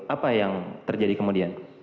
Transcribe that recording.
apa yang terjadi kemudian